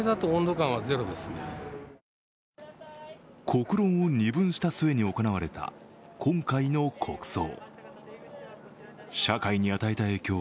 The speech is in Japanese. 国論を二分した末に行われた今回の国葬。